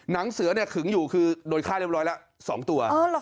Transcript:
เฮ้ยนางเสือเนี่ยขึ๋งอยู่คือโดดค่าเร็วร้อยแล้วสองตัว